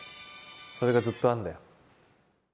それがずっとあるんだよ。